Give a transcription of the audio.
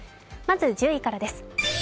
まず、１０位からです。